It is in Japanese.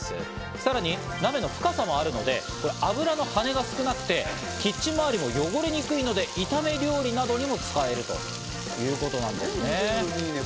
さらに鍋の深さもあるので、油のはねが少なくて、キッチン周りも汚れにくいので、炒め料理などにも使えるということなんですね。